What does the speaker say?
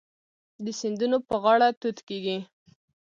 د سیندونو په غاړه توت کیږي.